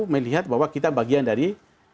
melihat bahwa kita bagian dari